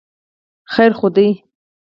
خیر خو دی.